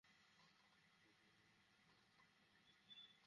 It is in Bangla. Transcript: যোগ্য একজন লোকের হাতে প্রধান কোচের দায়িত্ব দিতে পেরে খুশি তিনি।